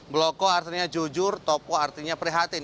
bloko artinya jujur topo artinya prihatin